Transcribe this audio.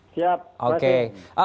siap terima kasih